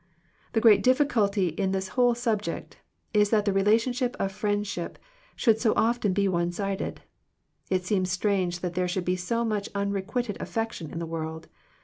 The great difficulty in this whole sub ject is that the relationship of friend ship should so often be one sided. It seems strange that there should be so much unrequited affection in the world.